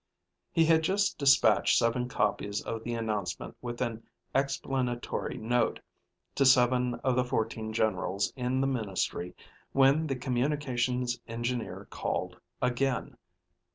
He had just dispatched seven copies of the announcement with an explanatory note to seven of the fourteen generals in the ministry when the Communications Engineer called again.